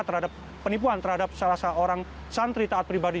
terhadap penipuan terhadap salah satu orang santri taat pribadi